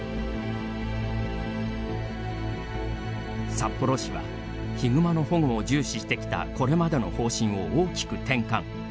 札幌市はヒグマの保護を重視してきたこれまでの方針を大きく転換。